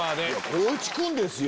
光一君ですよ。